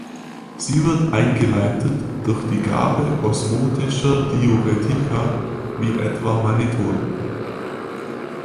Sie wird eingeleitet durch die Gabe osmotischer Diuretika wie etwa Mannitol.